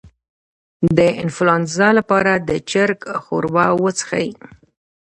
د انفلونزا لپاره د چرګ ښوروا وڅښئ